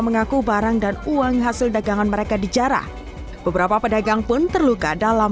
mengaku barang dan uang hasil dagangan mereka dijarah beberapa pedagang pun terluka dalam